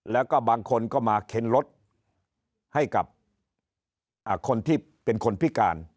แล้วก็บางคนก็มาเข็นรถให้กับคนที่เป็นคนพิการ